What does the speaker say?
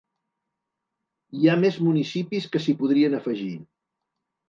Hi ha més municipis que s’hi podrien afegir.